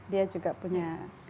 dia juga punya